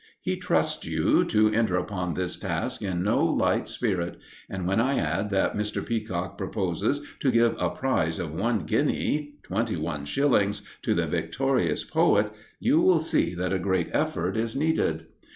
He trusts you to enter upon this task in no light spirit, and when I add that Mr. Peacock proposes to give a prize of one guinea twenty one shillings to the victorious poet, you will see that a real effort is needed.